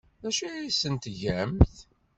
D acu ay asent-tgamt?